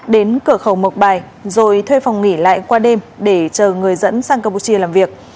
đến cửa khẩu mộc bài rồi thuê phòng nghỉ lại qua đêm để chờ người dẫn sang campuchia làm việc